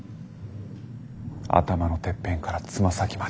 頭のてっぺんから爪先まで。